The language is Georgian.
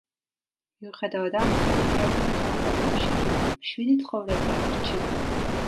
მიუხედავად ამისა, იგი არ გადასახლდა რომში, რადგან მშვიდი ცხოვრება ერჩივნა.